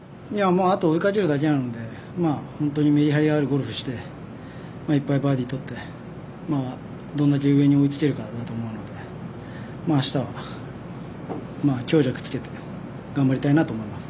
あとは追いかけるだけなのでメリハリのあるゴルフをしていっぱいバーディーとってどれだけ上に追いつけるかだと思うのであしたは、強弱をつけて頑張りたいなと思います。